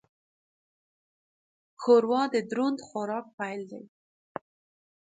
ښوروا د دروند خوراک پیل دی.